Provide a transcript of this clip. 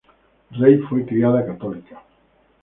Rey fue criada católica.